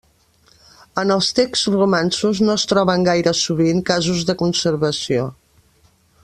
En els texts romanços no es troben gaire sovint casos de conservació.